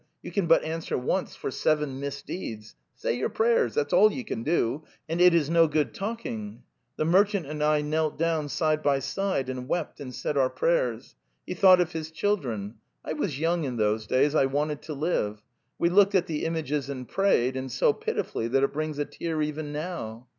You can but answer once for seven misdeeds. ... Say your prayers, that's all you can do, and it is no good talk ing!' The merchant and I knelt down side by side and wept and said our prayers. He thought of his children. I was young in those days; I wanted to live. ... We looked at the images and prayed, and so pitifully that it brings a tear even now.